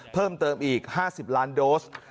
เพิ่มเติมอีก๕๐ล้านโดส